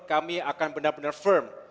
kami akan benar benar firm